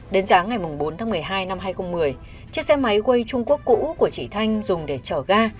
đến sáng ngày bốn tháng một mươi hai năm hai nghìn một mươi chiếc xe máy way trung quốc cũ của chị thanh dùng để chở ga